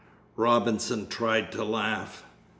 Robinson tried to laugh.